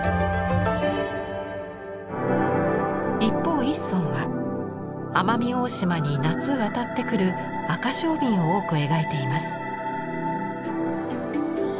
一方一村は奄美大島に夏渡ってくる赤翡翠を多く描いています。